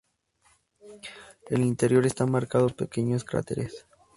El interior está marcado por muchos pequeños cráteres.